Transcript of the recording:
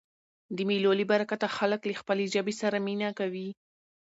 د مېلو له برکته خلک له خپلي ژبي سره مینه کوي.